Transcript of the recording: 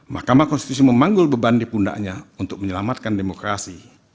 mahkamah konstitusi memanggul beban di pundaknya untuk menyelamatkan demokrasi